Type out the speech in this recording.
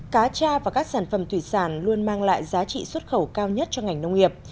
cá cha và các sản phẩm thủy sản luôn mang lại giá trị xuất khẩu cao nhất cho ngành nông nghiệp